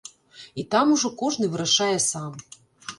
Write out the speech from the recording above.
І там ужо кожны вырашае сам.